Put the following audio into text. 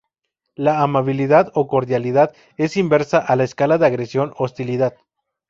La amabilidad o cordialidad, es inversa a la escala de agresión-hostilidad.